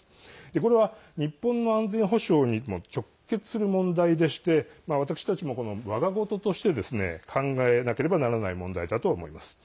これは、日本の安全保障にも直結する問題でして私たちも我がごととして考えなければならない問題だと思います。